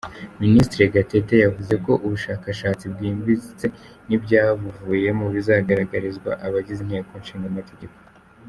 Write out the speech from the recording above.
Minisitiri Gatete yavuze ko ubushakashatsi bwimbitse n’ibyabuvuyemo bizagaragarizwa abagize Inteko Ishinga Amategeko.